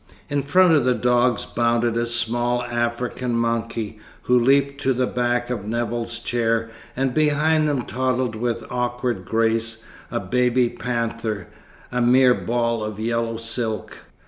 In front of the dogs bounded a small African monkey, who leaped to the back of Nevill's chair, and behind them toddled with awkward grace a baby panther, a mere ball of yellow silk.